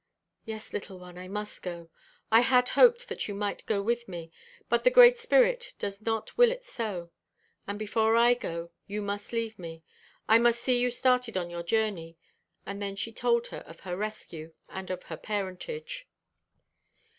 "Yes, little one, I must go. I had hoped that you might go with me; but the Great Spirit does not will it so. And before I go, you must leave me; I must see you started on your journey." And then she told her of her rescue, and of her parentage.